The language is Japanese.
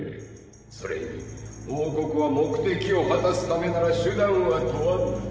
・それに王国は目的を果たすためなら手段は問わぬと。